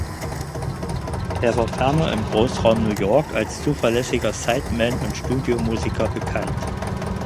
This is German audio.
Er war ferner im Großraum New York als zuverlässiger Sideman und Studiomusiker bekannt.